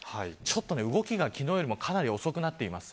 動きが昨日よりもかなり遅くなっています。